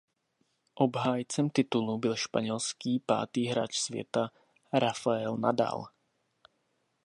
Obhájcem titulu byl španělský pátý hráč světa Rafael Nadal.